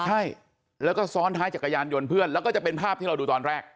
ใช่แล้วก็ซ้อนท้ายจักรยานยนต์เพื่อนแล้วก็จะเป็นภาพที่เราดูตอนแรก